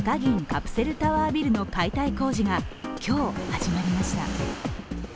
カプセルタワービルの解体工事が今日、始まりました。